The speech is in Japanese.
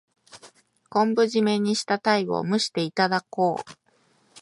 昆布じめにしたタイを蒸していただこう。